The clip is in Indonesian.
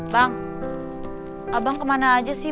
jangan rusak masa depan anak saya